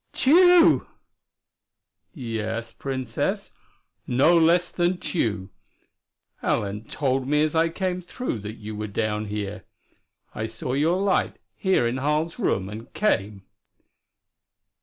"Tugh!" "Yes, Princess, no less than Tugh. Alent told me as I came through that you were down here. I saw your light, here in Harl's room and came."